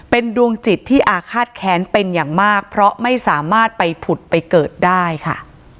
เป็นดวงจิตที่อาฆาตแค้นเป็นอย่างมากเพราะไม่สามารถไปผุดไปเกิดได้ค่ะ